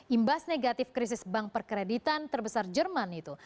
imbas negatif krisis bank perkreditan terbesar jerman itu